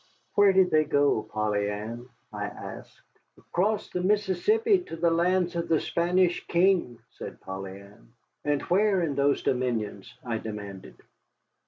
"Where did they go, Polly Ann?" I asked. "Acrost the Mississippi, to the lands of the Spanish King," said Polly Ann. "And where in those dominions?" I demanded.